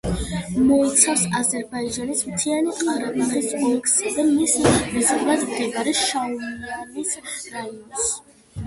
მოიცავს აზერბაიჯანის მთიანი ყარაბაღის ოლქსა და მის მეზობლად მდებარე შაუმიანის რაიონს.